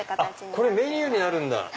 これメニューになるんだ！